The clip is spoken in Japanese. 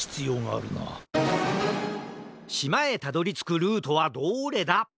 しまへたどりつくルートはどれだ？